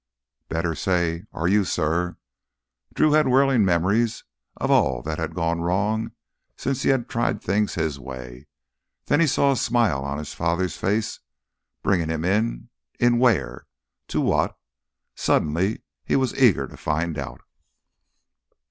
"Better say—are you, suh?" Drew had whirling memories of all that had gone wrong since he had tried things his way. Then he saw a smile on his father's face, bringing him in—in where? To what? Suddenly he was eager to find out.